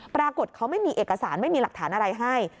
ปรากฏเขาไม่มีเอกสารไม่มีหลักฐานอะไรให้